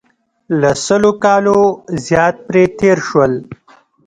له سلو کالو زیات پرې تېر شول.